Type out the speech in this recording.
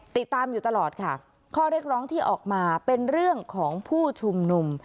ติดตามอยู่ตลอดค่ะข้อเรียกร้องที่ออกมาเป็นเรื่องของผู้ชุมนุม